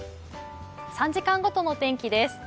３時間ごとの天気です。